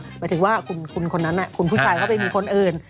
หมายถึงว่าคุณคนนั้นคุณผู้ชายเข้าไปมีคนอื่น